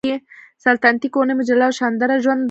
سلطنتي کورنۍ مجلل او شانداره ژوند درلود.